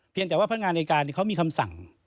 แต่ว่าพนักงานในการเขามีคำสั่ง